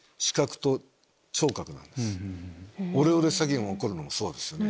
オレオレ詐欺が起こるのもそうですよね。